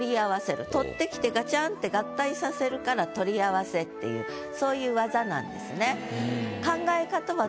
取ってきてガチャンって合体させるからそういう技なんですね。